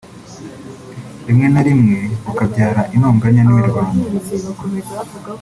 rimwe na rimwe bukabyara intonganya n’imirwano